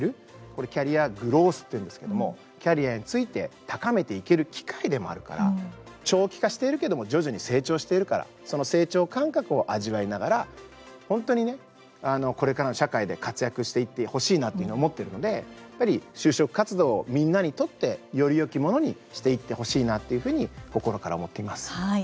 これ、キャリアグロースっていうんですけどもキャリアについて高めていける機会でもあるから長期化しているけども徐々に成長しているからその成長感覚を味わいながら本当に、これからの社会で活躍していってほしいなというふうに思っているのでやっぱり就職活動をみんなにとってよりよきものにしていってほしいなっていうふうに心から思っています。